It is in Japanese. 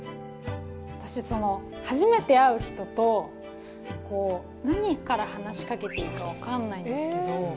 私、初めて会う人と何から話しかけていいか分からないんですけど。